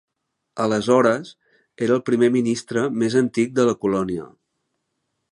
Aleshores, era el primer ministre més antic de la colònia.